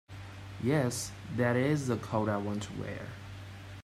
Yes, that IS the coat I want to wear.